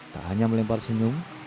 tak hanya melempar senyum